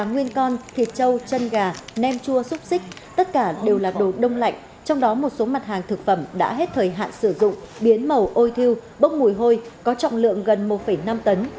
nguyên con thịt trâu chân gà nem chua xúc xích tất cả đều là đồ đông lạnh trong đó một số mặt hàng thực phẩm đã hết thời hạn sử dụng biến màu ôi thiêu bốc mùi hôi có trọng lượng gần một năm tấn